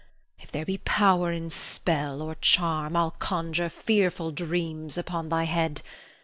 If there be power in spell or charm, I'll conjure fearful dreams upon thy head.